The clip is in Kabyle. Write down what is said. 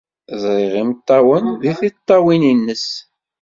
Ẓriɣ imeṭṭawen deg tiṭṭawin-nnes.